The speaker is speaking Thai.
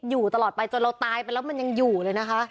อยู่ตลอดไปจนเราตายไปแล้วมันยังอยู่เลยนะคะ